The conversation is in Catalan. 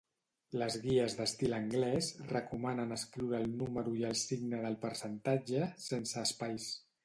Les guies d'estil anglès recomanen escriure el número i el signe del percentatge sense espais.